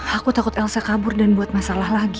aku takut elza kabur sama ma salah lagi